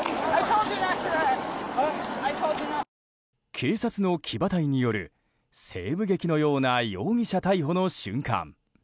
警察の騎馬隊による西部劇のような容疑者逮捕の瞬間。